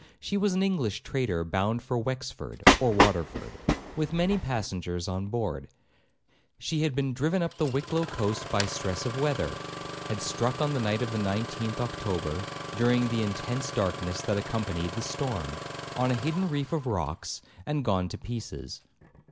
She was an English trader bound for Wexford or Waterford, with many passengers on board; she had been driven up the Wicklow coast by stress of weather, had struck on the night of the 19th October, during the intense darkness that accompanied the storm, on a hidden reef of rocks, and gone to pieces.